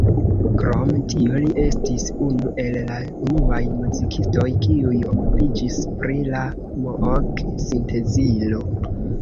Krom tio li estis unu el la unuaj muzikistoj, kiuj okupiĝis pri la Moog-sintezilo.